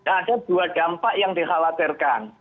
ada dua dampak yang dikhawatirkan